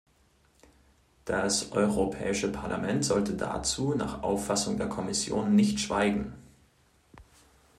Das Europäische Parlament sollte dazu nach Auffassung der Kommission nicht schweigen.